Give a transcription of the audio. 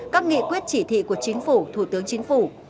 các nghị quyết chỉ thị của chính phủ thủ tướng chính phủ